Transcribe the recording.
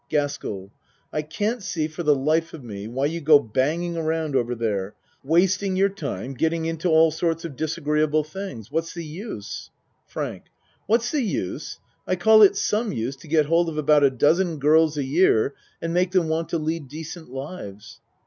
GASKELL I can't see for the life of me why you go banging around over there wasting your time getting into all sorts of disagreeable things. What's the use? FRANK What's the use? I call it some use to get hold of about a dozen girls a year and make them want to lead decent lives.